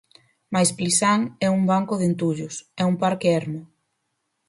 Mais Plisán é un banco de entullos, é un parque ermo.